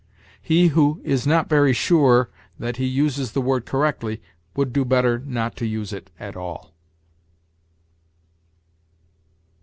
He who is not very sure that he uses the word correctly would do better not to use it at all.